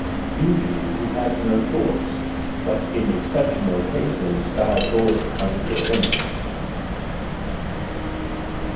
—Usually he has no thoughts,—bul in exceptional cases bad thoughts come to him.